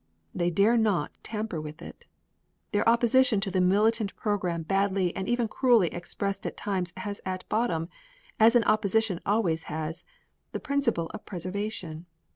They dare not tamper with it. Their opposition to the militant program badly and even cruelly expressed at times has at bottom, as an opposition always has, the principle of preservation.